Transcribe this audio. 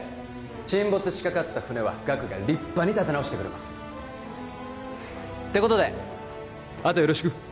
沈没しかかった船はガクが立派に立て直してくれますてことであとよろしく！